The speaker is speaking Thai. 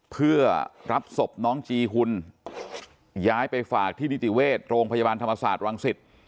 เพื่อรับศพน้องจีหุ่นย้ายไปฝากที่นิติเวชโรงพยาบาลธรรมศาสตร์วังศิษย์